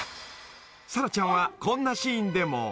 ［沙良ちゃんはこんなシーンでも］